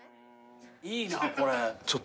いいなこれ。